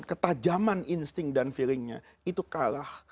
ketajaman insting dan feelingnya itu kalah